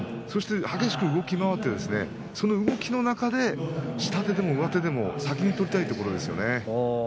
そして激しく動き回ってその動きの中で下手でも上手でも先に取りたいところですよね。